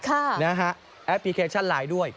แอปพลิเคชันไลน์ด้วย